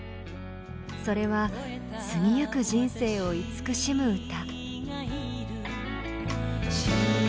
それは過ぎ行く人生を慈しむ歌。